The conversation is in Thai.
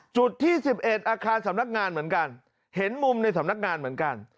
จุดที่๑๑อาคารสำนักงานเหมือนกันเห็นมุมในสำนักงานเหมือนกัน